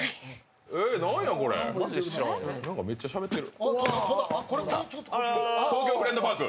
え、何や、めっちゃしゃべってる。